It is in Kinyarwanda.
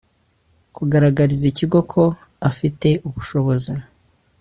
kugaragariza ikigo ko afite ubushobozi